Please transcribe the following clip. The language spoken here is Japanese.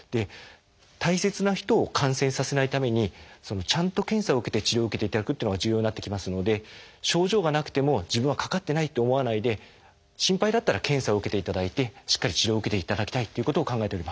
大切な人を感染させないためにちゃんと検査を受けて治療を受けていただくというのが重要になってきますので症状がなくても自分はかかってないと思わないで心配だったら検査を受けていただいてしっかり治療を受けていただきたいということを考えております。